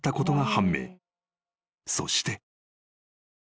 ［そして］